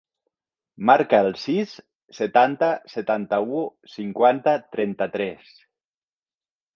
Marca el sis, setanta, setanta-u, cinquanta, trenta-tres.